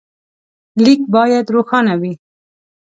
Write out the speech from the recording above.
لیک باید روښانه وي.